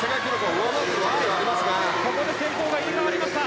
ここで先頭が入れ替わりました。